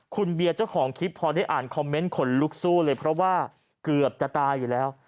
คุณเบียร์เจ้าของคลิปพอได้อ่านคอมเมนต์ขนลุกสู้เลยเพราะว่าเกือบจะตายอยู่แล้ว